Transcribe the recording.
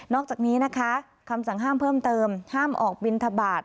อกจากนี้นะคะคำสั่งห้ามเพิ่มเติมห้ามออกบินทบาท